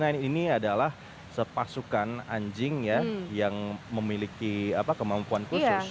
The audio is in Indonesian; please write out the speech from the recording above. jadi unit k sembilan ini adalah sepasukan anjing yang memiliki kemampuan khusus